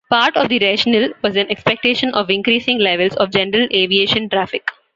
Part of the rationale was an expectation of increasing levels of general aviation traffic.